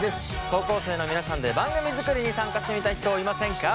高校生の皆さんで番組作りに参加してみたい人いませんか？